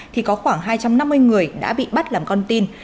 thì có khoảng hai trăm năm mươi người đã bị bắt làm con tin